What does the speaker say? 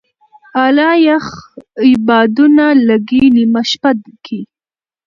اله یخ بادونه لګې نېمه شپه کي